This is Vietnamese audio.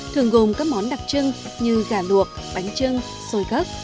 thường gồm các món đặc trưng như gà luộc bánh trưng sôi gấc